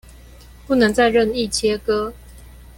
不能再任意切割